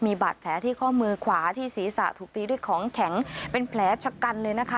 มีบาดแผลที่ข้อมือขวาที่ศีรษะถูกตีด้วยของแข็งเป็นแผลชะกันเลยนะคะ